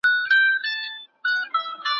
موږ باید د خپلو سپین ږیرو روغتیا ته پام وکړو.